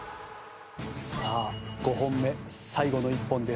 さあ５本目最後の１本です。